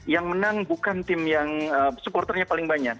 yang menang bukan tim yang supporternya paling banyak